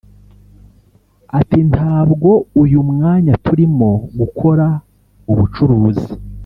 Ati “Ntabwo uyu mwanya turimo gukora ubucuruzi